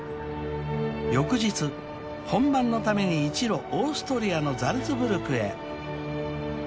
［翌日本番のために一路オーストリアのザルツブルクへ］